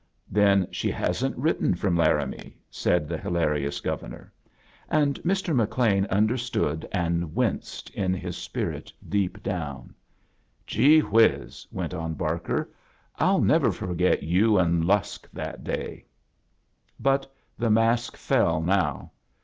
"Then she hasn't written from Lara mie?" said the hilarious Governor; and /jrf McLean understood and winced in j A JOURNEY IN SEARCH OF CHRISTMAS his spirit deep down. "Gee whiz!" went on Barker, "I'll never forget yoa and Lusk that day!" But the mask fell now.